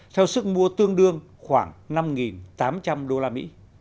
theo sức mua tương đương khoảng năm tám trăm linh usd